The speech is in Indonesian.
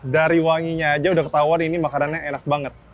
hmm dari wanginya saja sudah ketahuan ini makanan enak banget